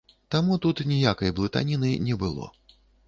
Таму тут ніякай блытаніны не было.